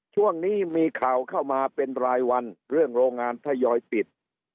ช่วงนี้มีข่าวเข้ามาเป็นรายวันเรื่องโรงงานทยอยปิด